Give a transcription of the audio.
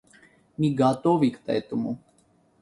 Мы готовы к этому.